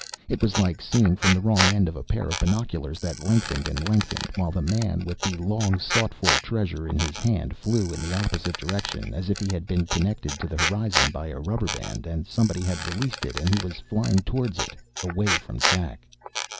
It was like seeing from the wrong end of a pair of binoculars that lengthened and lengthened while the man with the long sought for treasure in his hand flew in the opposite direction as if he had been connected to the horizon by a rubber band and somebody had released it and he was flying towards it, away from Jack.